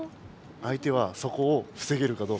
相手はそこをふせげるかどうかです。